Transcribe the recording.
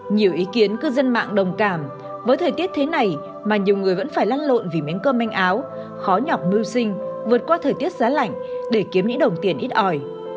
nhiều ý kiến cư dân mạng đồng cảm với thời tiết thế này mà nhiều người vẫn phải lăn lộn vì miếng cơm manh áo khó nhọc mưu sinh vượt qua thời tiết giá lạnh để kiếm những đồng tiền ít ỏi